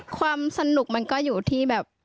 ความสนุกมันก็อยู่ที่แบบ